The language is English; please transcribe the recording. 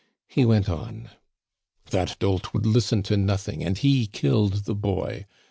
He went on: "That dolt would listen to nothing, and he killed the boy!